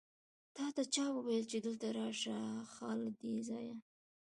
تاته چا وويل چې دلته راشه؟ ځه له دې ځايه!